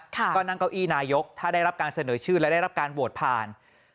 ก็นั่งเก้าอี้นายกถ้าได้รับการเสนอชื่อและได้รับการโหวตผ่าน